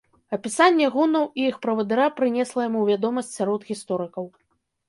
Апісанне гунаў і іх правадыра прынесла яму вядомасць сярод гісторыкаў.